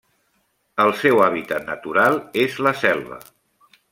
El seu hàbitat natural és la selva.